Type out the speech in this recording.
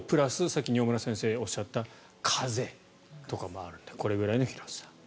さっき饒村先生がおっしゃった風とかもあるのでこれぐらいの広さ。